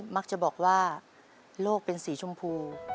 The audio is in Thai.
มักจะบอกว่าโลกเป็นสีชมพู